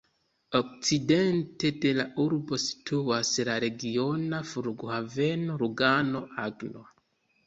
Okcidente de la urbo situas la regiona Flughaveno Lugano-Agno.